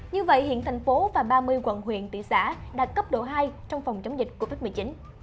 như vậy hiện thành phố và ba mươi quận huyện thị xã đạt cấp độ hai trong phòng chống dịch covid một mươi chín